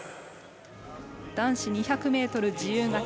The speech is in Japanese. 男子２００ｍ自由形。